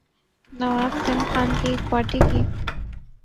نواب سیلم خان کی ایک پارٹی کی